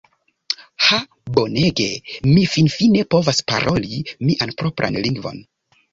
Ha bonege! Mi finfine povas paroli mian propran lingvon!